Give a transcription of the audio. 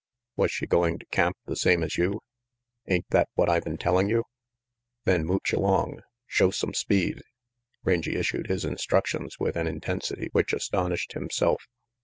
"Was she going to camp the same as you?" "Ain't that what I been telling you?" "Then mooch along. Show some speed." Rangy issued his instructions with an intensity which astonished himself.